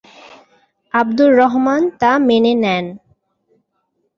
আবদুর রহমান তা মেনে নেন।